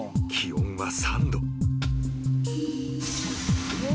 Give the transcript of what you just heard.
気温は３℃］